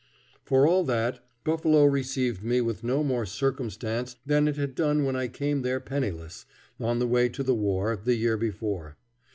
For all that, Buffalo received me with no more circumstance than it had done when I came there penniless, on the way to the war, the year before.